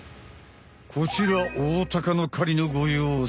こちらオオタカの狩りのごようす。